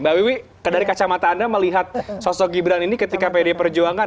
mbak wiwi dari kacamata anda melihat sosok gibran ini ketika pd perjuangan